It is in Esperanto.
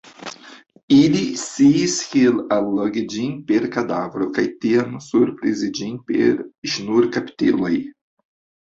Ili sciis kiel allogi ĝin per kadavro kaj tiam surprizi ĝin per ŝnurkaptiloj.